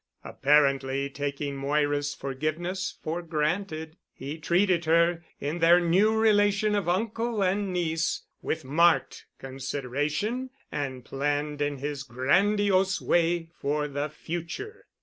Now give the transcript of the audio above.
Apparently taking Moira's forgiveness for granted, he treated her, in their new relation of uncle and niece, with marked consideration, and planned in his grandiose way for the future.